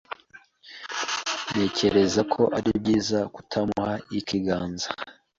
Ntekereza ko ari byiza kutamuha ikiganza.